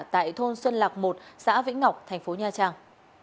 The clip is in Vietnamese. tại thôn xuân lạc một xã vĩnh ngọc tp nha trang